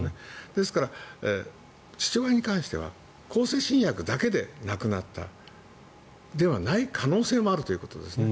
ですから、父親に関しては向精神薬だけで亡くなったんではない可能性もあるということですね。